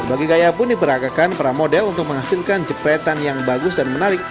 berbagai gaya pun diperagakan para model untuk menghasilkan jepretan yang bagus dan menarik